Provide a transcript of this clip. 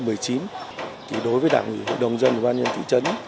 đối với đảng ủy hội đồng dân ủy ban dân và cả hệ thống chính trị của thị trấn